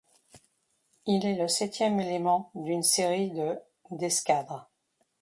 Il est le septième élément d'une série de d'escadre.